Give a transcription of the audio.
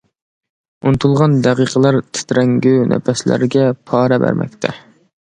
ئۇنتۇلغان دەقىقىلەر تىترەڭگۈ نەپەسلەرگە پارە بەرمەكتە.